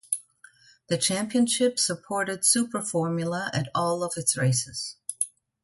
The championship supported Super Formula at all of its races.